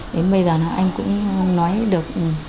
đến bây giờ anh cũng nói được